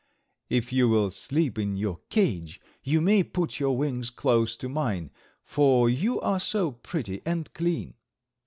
If you will sleep in the cage you may put your wings close to mine, for you are so pretty and clean."